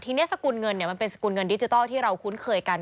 ทีนี้สกุลเงินมันเป็นสกุลเงินดิจิทัลที่เราคุ้นเคยกัน